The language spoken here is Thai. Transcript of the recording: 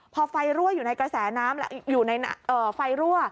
พอไฟรั่วอยู่ในกระแสน้ำแล้วอยู่ในไฟรั่ว